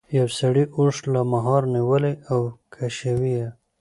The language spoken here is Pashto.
یو سړي اوښ له مهار نیولی او کشوي یې.